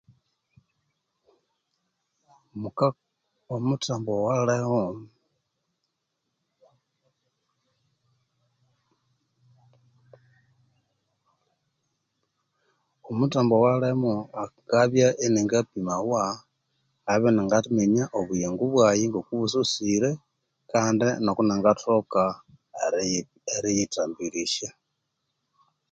Omuthambo owalimo akabya ininga pimawa inabya iningaminya obuyingo bwayi ngokubusosire kandi ngoku nangathoka eriyithambirisya.